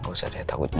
gak usah deh takutnya